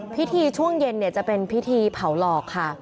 พิธีช่วงเย็นเนี่ยจะเป็นพิธีเผาหลอกค่ะ